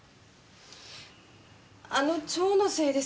あの蝶のせいです